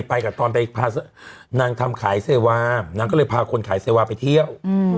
ไปกับตอนไปพานางทำขายเซวานางก็เลยพาคนขายเซวาไปเที่ยว